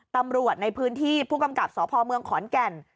ตำรวจในพื้นที่ผู้กำกับสพเมืองขอนแก่น